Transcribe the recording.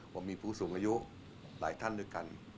ผมมีผู้สูงอายุหลายท่านด้วยกัน